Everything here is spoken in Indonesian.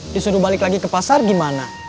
disuruh balik lagi ke pasar gimana